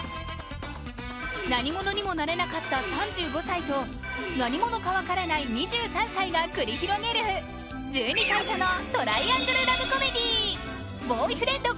何者にもなれなかった３５歳と何者かわからない２３歳が繰り広げる１２歳差のトライアングル・ラブコメディー！